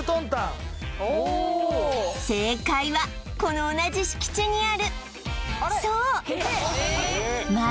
おおこの同じ敷地にあるそう！